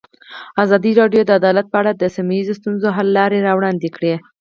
ازادي راډیو د عدالت په اړه د سیمه ییزو ستونزو حل لارې راوړاندې کړې.